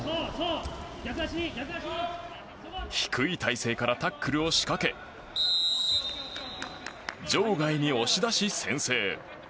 低い体勢からタックルを仕掛け場外に押し出し、先制。